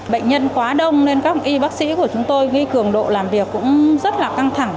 bệnh nhân quá đông nên các y bác sĩ của chúng tôi ghi cường độ làm việc cũng rất là căng thẳng